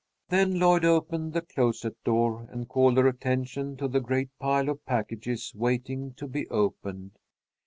"Then Lloyd opened the closet door and called her attention to the great pile of packages waiting to be opened.